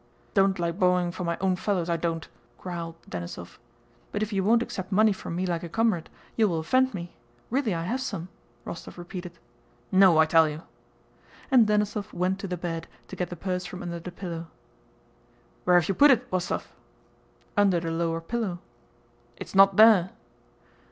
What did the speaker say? "Don't like bowwowing from my own fellows, I don't," growled Denísov. "But if you won't accept money from me like a comrade, you will offend me. Really I have some," Rostóv repeated. "No, I tell you." And Denísov went to the bed to get the purse from under the pillow. "Where have you put it, Wostóv?" "Under the lower pillow." "It's not there."